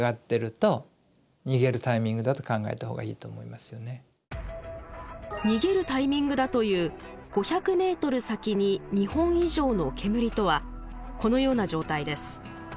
まずは一つの目安は遠く逃げるタイミングだという５００ｍ先に２本以上の煙とはこのような状態です。